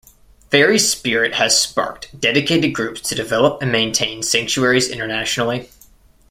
Faerie spirit has sparked dedicated groups to develop and maintain sanctuaries internationally.